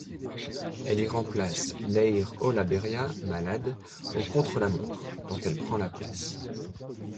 Elle y remplace Leire Olaberria, malade, au contre-la-montre, dont elle prend la place.